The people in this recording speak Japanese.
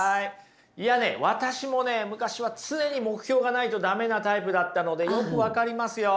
いやね私もね昔は常に目標がないと駄目なタイプだったのでよく分かりますよ。